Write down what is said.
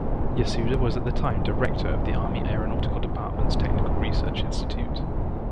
Yasuda was at the time director of the Army Aeronautical Department's Technical Research Institute.